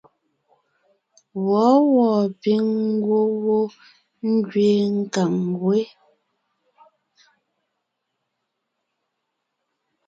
Wɔ̌wɔɔ píŋ ngwɔ́ wó ngẅeen nkàŋ wé.